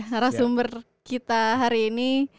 narasumber kita hari ini